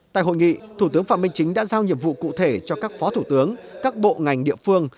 tại hội nghị thủ tướng phạm minh chính đã giao nhiệm vụ cụ thể cho các phó thủ tướng các bộ ngành địa phương